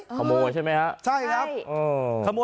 ขโมยใช่มั้ยครับ